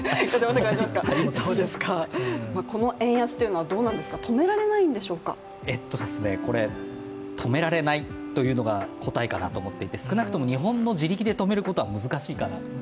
この円安というのは止められないんでしょうか止められないというのが答えかなと思っていて少なくとも日本の自力で止めることは難しいかな。